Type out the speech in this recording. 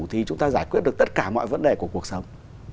thì chúng ta giải quyết được tất cả mọi vấn đề của cuộc sống